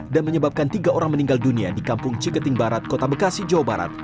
dan menyebabkan tiga orang meninggal dunia di kampung ciketing barat kota bekasi jawa barat